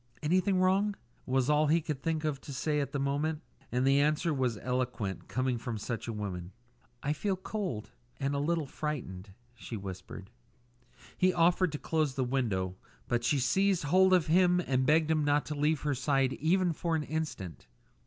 "Anything wrong?" was all he could think of to say at the moment. And the answer was eloquent, coming from such a woman. "I feel cold and a little frightened," she whispered. He offered to close the window, but she seized hold of him and begged him not to leave her side even for an instant.